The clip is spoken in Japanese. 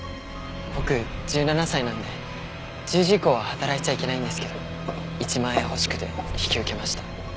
僕１７歳なんで１０時以降は働いちゃいけないんですけど１万円欲しくて引き受けました。